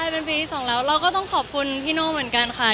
เป็นปีที่สองแล้วเราก็ต้องขอบคุณพี่โน่เหมือนกันค่ะ